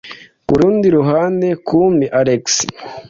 kurundi ruhande kumbe alex